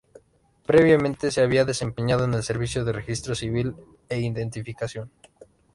Previamente se había desempeñado en el Servicio de Registro Civil e Identificación.